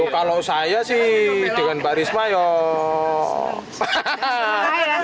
kalau saya sih dengan pak risma yuk